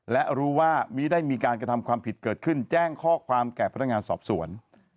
และรู้ว่ามิได้มีการกระทำความผิดเกิดขึ้นแจ้งข้อความแก่พนักงานสอบสวน